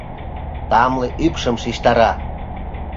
Тамле ӱпшым шижтара.